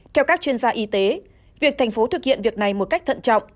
theo các chuyên gia y tế việc thành phố thực hiện việc này một cách thận trọng